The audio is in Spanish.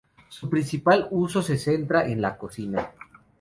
Su principal uso se centra en la cocina.